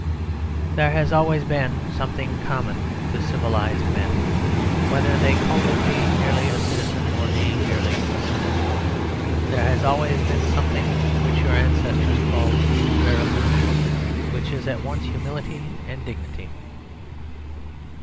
There has always been something common to civilised men, whether they called it being merely a citizen; or being merely a sinner. There has always been something which your ancestors called Verecundia; which is at once humility and dignity.